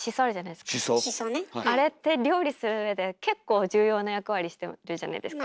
あれって料理する上で結構重要な役割してるじゃないですか。